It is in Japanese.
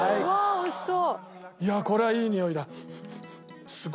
おいしそう！